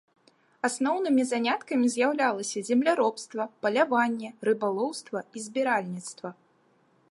Асноўнымі заняткамі з'яўляліся земляробства, паляванне, рыбалоўства і збіральніцтва.